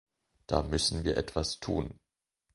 Da müssen wir etwas tun.